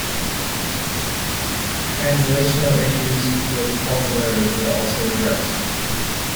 Translational issues with Paul's letters were also addressed.